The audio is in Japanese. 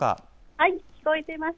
はい、聞こえています。